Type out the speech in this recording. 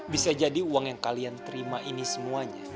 bisa jadi uang yang kalian terima ini semuanya